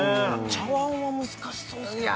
茶碗は難しそうっすけどね